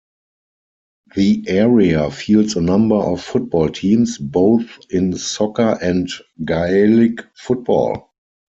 The area fields a number of football teams, both in soccer and Gaelic football.